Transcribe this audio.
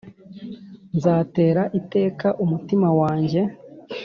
Nzatera iteka umutima wanjye